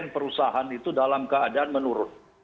perusahaan itu dalam keadaan menurun